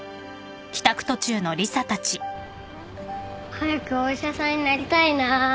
早くお医者さんになりたいな。